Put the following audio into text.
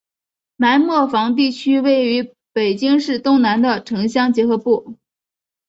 南磨房地区位于北京市东南的城乡结合部。